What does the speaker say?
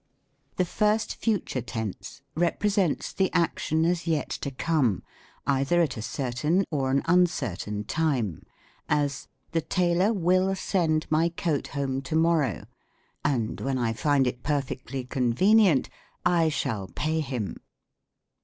The First Future Tense represents the action as yet 10 come, either at a certain or an uncertain time ; as " The tailor 7mll send my coat home to morrow ; and when I find it perfectly convenient, I shall pay him.''